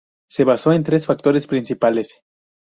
Se basó en tres factores principales.